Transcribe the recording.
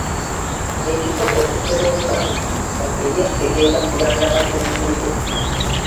Ekisoko okusera obulamu mu kulya kitegeeza kulannama ku lujjuliro.